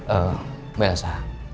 eh mbak elsa